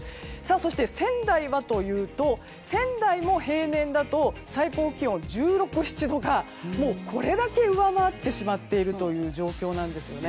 そして仙台はというと仙台も平年だと最高気温１６１７度がもう、これだけ上回ってしまう状況なんです。